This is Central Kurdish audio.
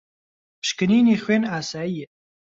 پشکنینی خوێن ئاسایییە.